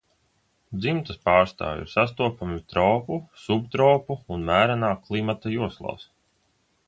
Dzimtas pārstāvji ir sastopami tropu, subtopu un mērenā klimata joslās.